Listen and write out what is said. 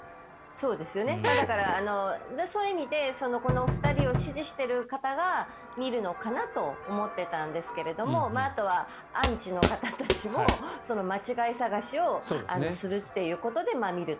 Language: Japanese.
そういう意味で２人を支持している方が見るのかなと思っていたんですがあとはアンチの方たちは間違い探しをするということで見ると。